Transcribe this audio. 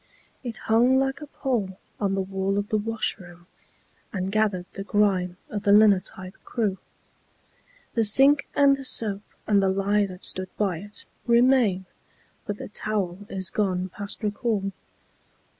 It hung like a pall on the wall of the washroom, And gathered the grime of the linotype crew. The sink and the soap and the lye that stood by it Remain; but the towel is gone past recall.